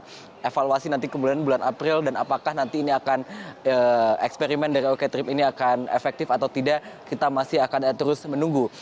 kita akan evaluasi kemudian bulan april dan apakah eksperimen dari okeo trip ini akan efektif atau tidak kita masih akan terus menunggu